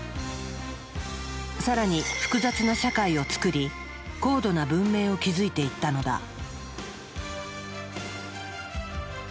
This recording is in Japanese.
さらに複雑な社会を作り高度な文明を築いていったのだ。